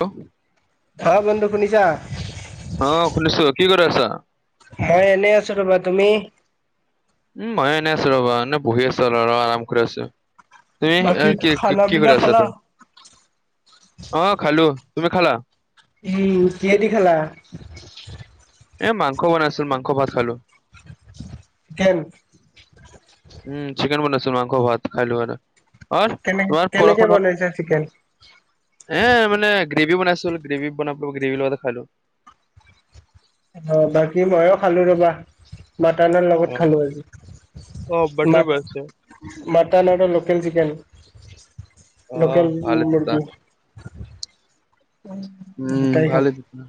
অ'। অ'হ বন্ধু শুনিছা। অহ' শুনিছো, কি কৰি আছা? মই এনেই আছোঁ ৰবা, তুমি? উম ম‌ইয়ো এনেই আছো ৰ'বা। এনে বহি আছো আৰু অলপ আৰাম কৰি আছো। তুমি বাকী অহ কি খানা কি কৰি পিনা আছা খালা? তুমি? অহ খালোঁ, তুমি খালা? উম, কিহেদি খালা? এ মাংস বনাইছিলে। মাংস ভাত খালোঁ। চিকেন উম চিকেন বনাইছিল মাংস, ভাত খালোঁ আৰু। কেনে ৰ'দ কেনেকে বনাইছা চিকেন? বৰষুণৰত এই মানে। গ্ৰেভি বনাইছিলোঁ। গ্ৰেভি বনাব গ্ৰেভীৰ লগতে খালোঁ। অহ' বাকী ময়ো খালোঁ ৰবা। মাটনৰ লগত খালোঁ আজি। অ মা বাটাৰ বনাইছে মাটন আৰু লোকেল চিকেন। অ লোকেল ভালে তেতিয়া মুৰ্গী। উম গোটাই খাব। ভালে তেতিয়া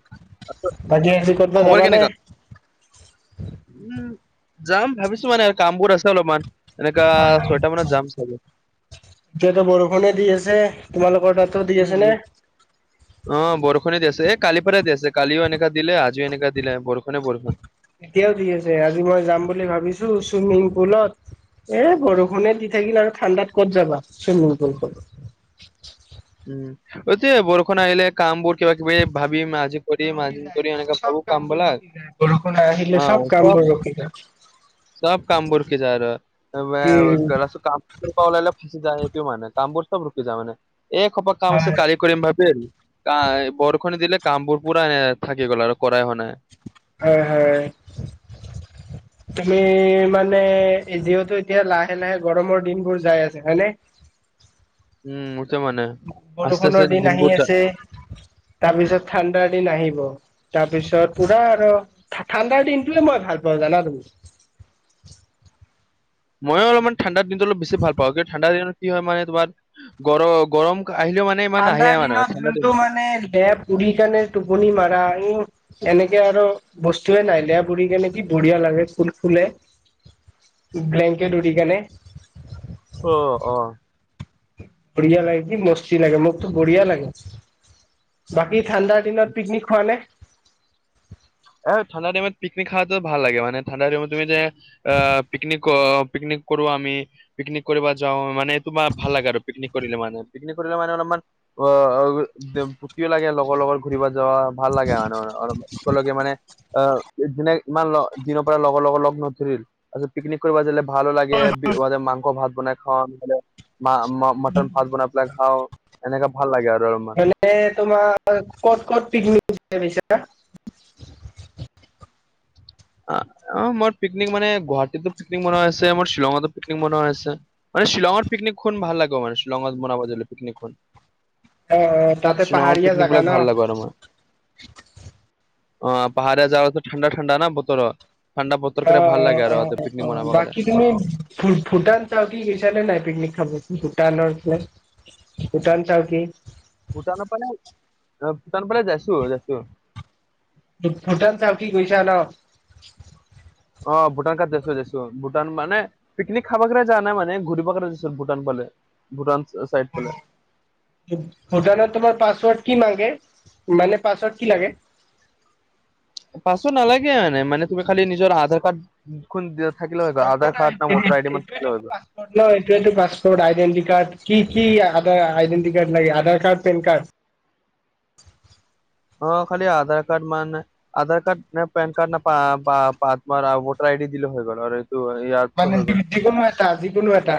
বাকী আজি কতবা খবৰ যাবা নে? কেনেকা উম যাম ভাবিছোঁ মানে কামবোৰ আছে অলপমান এনেকা ছয়টা মানত যাম চাগে। এতিয়াতো বৰষুণে দি আছে, তোমালোকৰ তাত? নাই ৰদ। অহ' বৰষুণে দি আছে এই কালিৰ পৰাই দি আছে, কালিও এনেকা দিলে আজি এনেকা দিলে বৰষুণে বৰষুণ। এতিয়াও দি আছে, আজি মই যাম বুলি ভাবিছোঁ চুইমিং পুলত। এ বৰষুণে দি থাকিল আৰু ঠাণ্ডাত ক'ত যাবা চুইমিং পুলটো। উম এতিয়া বৰষুণ আহিলে কামবোৰ কিবা কিবি ভাবিম আ। ৰখি যায়, কাম চব কামবোৰ ৰখি যায় বৰষুণ আহিলে চব কাম বোৰ ৰখি যায়। চব কাম বোৰ ৰখি যায় আৰু। গো উম [unintelligible] মানে‌ প ওলালে ফাঁচি যায় সেইটো মানে, কামবোৰ চব ৰখি যায় মানে একসোপা কাম হয় আছিল কালি। কৰিম ভাবি কা এ বৰষুণ দিলে কামবোৰ পূৰাই থাকি গ'ল আৰু কৰাই হোৱা নাই। হয় হয়। [unintelligible] তুমি মানে যিহেতু এতিয়া লাহে লাহে গৰমৰ দিন বোৰ যাই আছে হয় নে। উম হৈছে মানে। আস্তে আস্তে বৰষুণৰ দিন আহি দিনবোৰ আছে তাৰপিছত ঠাণ্ডাৰ দিন আহিব। তাৰপিছত পুৰা আৰু ঠা ঠাণ্ডাৰ দিনটোয়ে মই ভাল পাওঁ জানা তুমি। ময়ো অলমান ঠাণ্ডা দিনটো অলপ বেছি ভাল পাওঁ কিন্তু ঠাণ্ডা দিনত কি হয় মানে তোমাৰ। গৰ গৰম আহিলেও মানে। ইমান নাহে ঠাণ্ডাৰ মানে দিনত ঠাণ্ডা দিন যোনটো মানে লেপ তুলি কেনে টোপনি মাৰা উম। এনেকে আৰু বস্তুয়ে নাই লেপ উৰি কিনে কি বঢ়িয়া লাগে ফুল ফুলে। ব্লেংকেট উৰি কিনে। অহ অহ। বঢ়িয়া লাগে কি মস্তি লাগে মোকতো বঢ়িয়া লাগে। বাকী ঠাণ্ডাৰ দিনত পিকনিক খোৱা নে। এ ঠাণ্ডা টাইমত পিকনিক খাওঁতেও ভাল লাগে। মানে ঠাণ্ডা টাইমত তুমি যে আহ, পিকনিক- পিকনিক কৰোঁ আমি। পিকনিক কৰিব যাওঁ মানে। তোমাৰ ভাল লাগে আৰু পিকনিক। কৰিলে মানে, পিকনিক কৰিলে মানে অলপমান অ, ফূৰ্তিও লাগে লগৰ- লগত। ঘূৰিব যাওঁ ভাল লাগে মানে। অহ, একেলগে মানে। অ, দিনে ইমান দিনৰ পৰা লগৰ লগত লগ নধৰিল তাৰপিছত পিকনিক কৰিব যে। ভালো লাগে, মানে মাংস ভাত বনাই খাওঁ, মে মটন ভাত বনাই পেলাই খাওঁ। এনেকা ভাল লাগে আৰু। এনে তোমাৰ ক'ত, ক'ত পিকনিক খাব গৈছা? আ, অ, মই পিকনিক মানে গুৱাহাটীতো পিকনিক বনোৱা আছে, মোৰ শ্বিলঙতো পিকনিক বনোৱা আছে। মানে শ্বিলঙত পিকনিক খাব ভাল লাগে মানে। শ্বিলঙত বনাব জানিলে পিকনিক খোৱা। অ তাতে শ্বিলঙত পাহাৰীয়া পিকনিক জাগা কৰালে ন ভাল লাগে আৰু আমাৰ। অ, পাহাৰীয়া জাগাটো ঠাণ্ডা- ঠাণ্ডা ন বতৰত। ঠাণ্ডা অ বতৰত ভাল লাগে অ অ আৰু অ অ পিকনিক মনাবৰ কাৰণে। [inaudible] ভূটান চাওঁ কি গৈছা না নাই? পিকনিক খাব, ভূটানৰ ফালে। ভূটান টাৰকি। ভূটানত মানে, ভূটান ফালে যাইছোঁ- যাইছোঁ। ভুটান টাওকি গৈছা ন। অ, ভূটান তাত যাইছোঁ- যাই। ভূটান মানে পিকনিক খাবা কাৰনে যোৱা নাই মানে, ঘূৰিব কাৰণে গৈছোঁ। ভূটান ফালে, ভূটান চাইড ফালে। ভূটানত তোমাৰ পাছৱৰ্ড কি মাগে, মানে পাছৱৰ্ড কি লাগে? পাছৱৰ্ড নালাগে মানে, মানে তুমি খালি নিজৰ আধাৰ কাৰ্ড দিয়া। থাকিলে হয়, আধাৰ কাৰ্ড না ভোটাৰ আই ডি মানে এইটোৱেটো থাকিলে হৈ গ'ল। পাছপৰ্ট এইটোৱেটো পাছপৰ্ট, আইডেণ্টি কাৰ্ড, কি কি আইডেন্টি কাৰ্ড লাগে? Aadhaar card, PAN card. অ, খালি আধাৰ কাৰ্ড মান নাই। আধাৰ কাৰ্ড না পেন কাৰ্ড নে পা, তোমাৰ ভোটাৰ আইডি দিলে হৈ গ'ল আৰু। এইটো ইয়াৰ পিছত মানে হৈ গ'ল। যিকোনো এটা, যিকোনো এটা।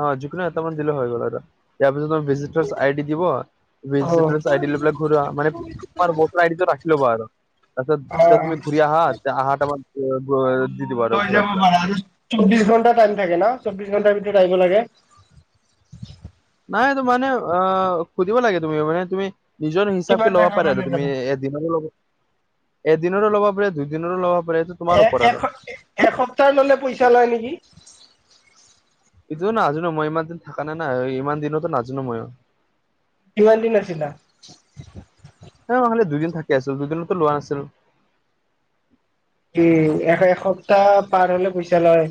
অ, যিকোনো এটা মান দিলে হৈ গল আৰু। ইয়াৰ পিছত অই ডি দিব, অ ভিউজ লৈ পেলাই ঘূৰি মানে এইটো ৰাখি ল'বা আৰু তাৰপিছত, যেতিয়া তুমি ঘূৰি আহা টাইমত দি দিবা আৰু ঘূৰাই পেলাই। চৌববিশ ঘণ্টা টাইম থাকে ন? চৌবিশ ঘণ্টাৰ ভিতৰত আহিব লাগে। নাই মানে অ, সুধিব লাগে তুমি। মানে তুমি নিজৰ হিচাপে ল'বা পাৰে আৰু তুমি ল'ব এদিনৰো ল'ব পাৰে, দুইদিনৰো ল'ব পাৰে। তোমাৰ এ, ওপৰত আৰু। এস- এসপ্তাহ ললে পইচা লয় নেকি? এইটো নাজনো মই। ইমান দিন থকা নাই- নাই ইমান দিনতো নাজনো মই। কিমান দিন আছিলা? ন নহ'লে দুদিন থাকি আছিলোঁ। দুদিনতো লোৱা নাছিলোঁ। উম, এ, এক সপ্তাহ পাৰ হলে পইচা লয়।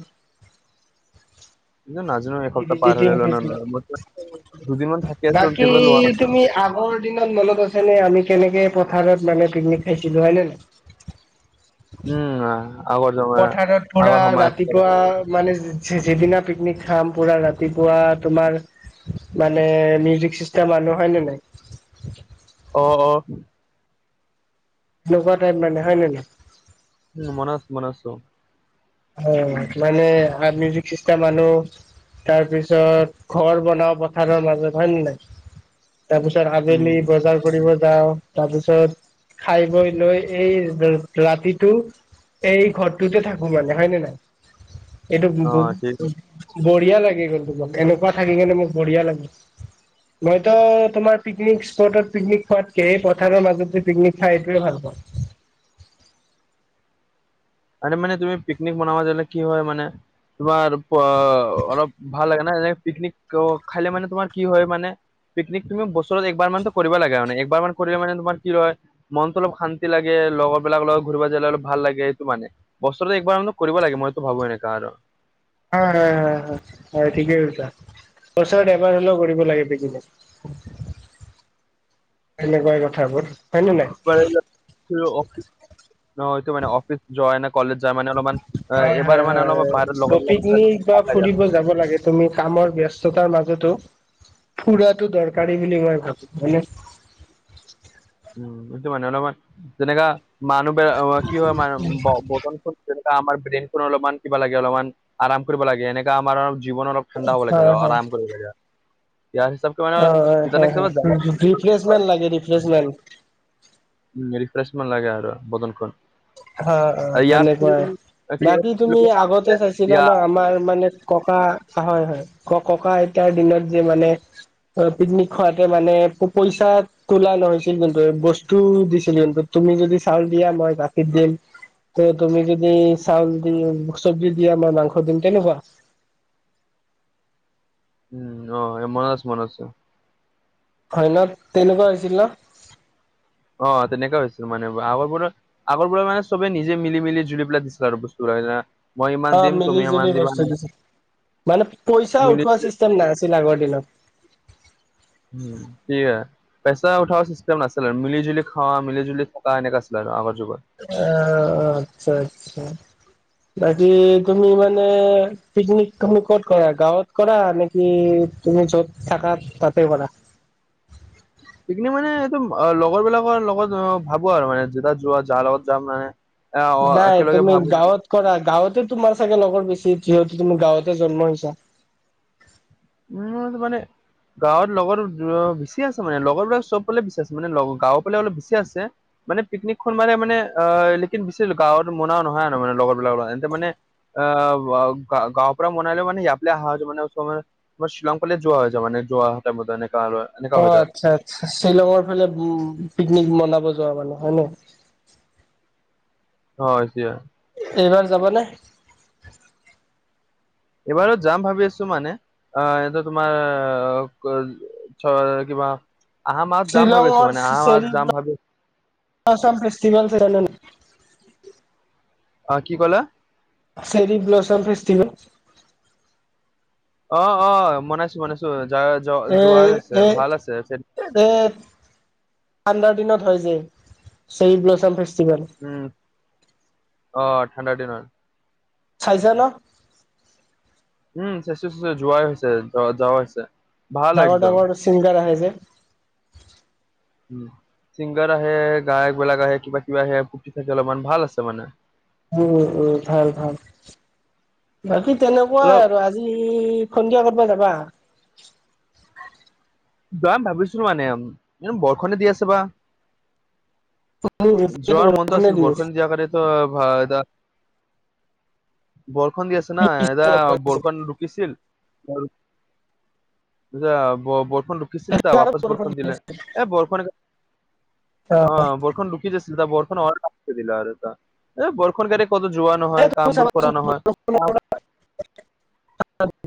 নাজানো এসপ্তাহ পাৰ হলে লয় না নলয়। দুদিন মান থাকি আছিল বাকী তেতিয়া লোৱা নাছিল। তুমি আগৰ দিনত মনত আছে নে, আমি কেনেকে পথাৰত মানে পিকনিক খাইছিলো হয় নে নাই? উম, হয়। পথাৰত কৰা ৰাতিপুৱা। মানে যিদিনা পিকনিক খাম, পুৰা ৰাতিপুৱা তোমাৰ মানে মিউজিক চিষ্টেম আনো হয় নে নাই? অ', অ'। এনেকুৱা টাইপ মানে হয় নে নহয়। উম, মনত আছে, মনত আছে অ'। উম, মানে মিউজিক চিষ্টম আনো। তাৰ পিছত ঘৰ বনাও পথাৰৰ মাজত হয়ে ন নাই? তাৰ পিছত উম। আবেলি বজাৰ কৰিব যাওঁ। তাৰপিছত খাই ব লৈ এই ৰাতিটো এই ঘৰটোতে থাকো মানে হয় নে নাই? এইটো অ', ঠিক আছে। বঢ়িয়া লাগি গ'ল, তোমাক এনেকুৱা থাকি কেনে মোক বঢ়িয়া লাগে। [inaudible] মইতো তোমাৰ পিকনিক স্পটত পিকনিক খোৱাতকে, পথাৰৰ মাজত যে পিকনিক খাই এইটোৱে ভাল পাওঁ। আৰু মানে তুমি পিকনিক বনাবা যলে কি হয় মানে তোমাৰ অ', অলপ ভাল লাগে না এনে পিকনিক খালে মানে তোমাৰ কি হয় মানে পিকনিক তুমি বছৰত এক বাৰ মান ত 'কৰিব লাগে মানে, একবাৰ মান কৰিলে মানে তোমাৰ কি হয় মনতো অলপ শান্তি লাগে, লগৰ বিলাক লগত ঘূৰিব যালে অলপ ভাল লাগে। মানে, বছৰতটো একবাৰ কৰিব লাগে মইতো ভাবো এনেকা আৰু। হয়, হয়, হয়, ঠিকেই কৈছা। বছৰত এবাৰ হলেও কৰিব লাগে পিকনিক। [inaudible] সেনেকুৱা এই কথাবোৰ হয় নে নাই? [unintelligible] অ', এইটো মানে অফিচ যোৱা নে কলেজ যায় মানে অলপমান, হয় এইবাৰ হয় মানে অলপমান লগত হয় লগ পিকনিক বা ভাল লাগে আৰু। ফুৰিব যাব লাগে তুমি কামৰ ব্যস্ততাৰ মাজতো ফুৰাটো দৰকাৰী বুলি মই ভাবো, হয়নে? উম, সেইটো মানে অলপমান যেনেকা মানুহ বে কি হয় মান [unintelligible] তেনেক আমাৰ ব্ৰেইন খন অলপমান কিবা লাগে, অলপমান আৰাম কৰিব লাগে এনেকা আমাৰ অল জীৱন অলপ ঠাণ্ডা হব লাগে হয় হয় আৰাম কৰিব লাগে, ইয়াৰ চব অ', হয়, হয়, হয়, ৰিফ্ৰেচমেন্ত লাগে ৰিফ্ৰেচমেন্ত। ৰিফ্ৰেচমেন্ত লাগে আৰু বদনখন। অ', অ', ইয়াত তেনেকুৱাই। বাকী তুমি আগতে চাইছিলা ইয়াৰ ন আমাৰ মানে ককা, হয়, হয়। ক-ককা আইতাৰ দিনত যে মানে পিকনিক খোৱাতে মানে পইচা খোলা নহৈছিল কিন্তু, বস্তু দিছিল জোনটো, তুমি যদি চাওঁল দিয়া মই দিম, ত তুমি যদি চাউল দি, চবজি দিয়া মই মাংস দিম তেনেকুৱা। উম, অ', মনত আছে, মনত আছে। হয় ন? তেনেকুৱা হৈছিল ন? অ', তেনেকুৱা হৈছিল মানে। আগৰ পৰা আগৰ পৰা মানে চবে নিজে মিলি মিলি জুলি পেলাই দিছিলে আৰু বস্তুবো বিলাক না অ', মিলি জুলি বস্তু দিছিল। মানে পইচা মিলি উঠোৱা চিষ্টেম নাছিল আগৰ দিনত। উম, [unintelligible] পেচা উঠা চিষ্টেম নাছিলে আৰু মিলিজুলি খোৱা মিলিজুলি থকা এনেকা আছিলে আৰু আগৰ যুগত। অহ আচ্ছা আচ্ছা, বাকী তুমি মানে পিকনিক তুমি ক'ত কৰা গাঁৱত কৰা নেকি তুমি য'ত থাকা তাতে কৰা? পিকনিক মানে এইটো অ', লগৰ বিলাকৰ লগত অ', ভাবো আৰু মানে যো-যোৱা যাৰ লগত যাম মানে আহ অ', নাই একেলগে তুমি ভাবো গাঁৱত কৰা গাঁৱতে তোমাৰ চাগে লগৰ বেছি যিহেতু তুমি গাঁৱতে জন্ম হৈছা। উম মানে গাঁৱত লগৰ বেছি আছে মানে লগৰবিলাক চব পালে বেছি আছে মানে গাঁৱৰ পালে অলপ বেছি আছে। মানে পিকনিকখন মানে- মানে আহ', লিন বি গাঁৱৰ মনা নহয় ন মানে লগৰ বিলাকৰ এটিয়া মানে। অ', গা-গাঁও পৰা মনাল মানে হয় মানে। তোমাৰ শিলং পাললে যোৱা হয় য মানে যোৱা এ বে তেনে কাৰ হয়। অ', আচ্ছা- আচ্ছা শ্বিলঙৰ ফালে উ পিকনিক মনাব যোৱা মানে হয় ন। হয় এতিয়া। এইবাৰ যাবা নে? এইবাৰো যাম ভাবি আছো মানে, আহ', এ তোমাৰ কিবা, আহা মাহত যাম ভাবি আছোঁ, শ্বিলঙৰ মানে আহা মাহত যাম ভাবি আছোঁ। আছাম ফেষ্টিভেল আছে। অ', কি ক'লে? চেৰি ব্লিচম ফেষ্টিভেল। অ', - অ', মনাইছো-মনাইছো য- যোৱাই হৈছে ভাল আছে। এই, আণ্ডাৰ দিনত হয় যে, চেৰী ব্লচাম ফেষ্টিভেল। উম, অ', ঠাণ্ডাৰ দিনত। চাইছা ন? উম চাইছোঁ- চাইছোঁ যোৱাই হৈছে জ্ব -জ্বৰ হৈছে। ভাল একদম ডাঙৰ-ডাঙৰ ছিংগাৰ আহে যে। উম, ছিংগাৰ আহে গায়ক বিলাক আহে কিবা- কিবি আহে ফুতি থাকে, অলপমান ভাল আছে মানে। উম- উম ভাল- ভাল, বাকী অলপ তেনেকুৱাই আৰু আজি সন্ধিয়া কতবা যাবা? যাম ভাবিছো মানে, বৰষুণে দি আছে বাৰু। এতিয়াতো যোৱাৰ মনটো বৰষুণে আছিল দি আছে বৰষুণ দিয়া কাৰণেটো বৰষুণ দিয় আছে ন এদাল বৰষুণ ৰুকিছিল। এতিয়া ব -বৰষুণ দিছিলি তা বাপচ বৰষুণ দি দিলে, আছে এ বৰষুণ, অ', বৰষুণ আছিল বৰষুণ অহা দিলা আৰু, বৰষুণ কতো যোৱা এই নহয় তুমি কামবোৰ কৰা চাবাচোন নহয়। ক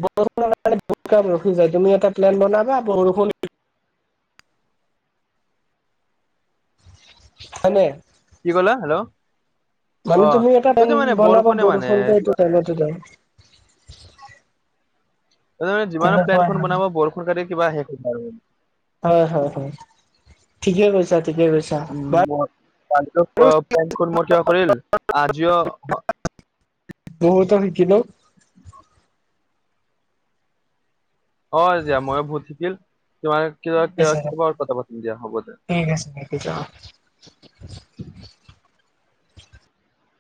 বৰষুণ কাৰে বহুত কাম ৰখি যায় তুমি এটা প্লেন বনাবা বৰষুণ হয়নে। কি ক'লা হেল্ল'? মানে অ তুমি এটা টন এইটো মানে বনাবা বৰষুণে মানে বৰষুণ এইটো কিবা টাইমত যে তে যিমান প্লেন তেনেকুৱা মানে। বনাব বাৰু কাটি কিবা শেষ। হয়-হয়-হয়, ঠিকে কৈছা ঠিকে কৈছা। বা উম, মই থিয় কৰিল আজিও বহুতো শিকিলোঁ। অ', দিয়া ময়ো বহুত শিকিল, তোমাৰ কিবা ক- আছে কাবা কথা পাতিম দিয়া হ'ব দিয়া। ঠিক আছে বাকি যে।